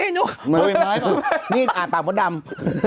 หนูอ้าวปากมดดำ